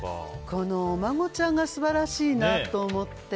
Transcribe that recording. このお孫ちゃんが素晴らしいなと思って。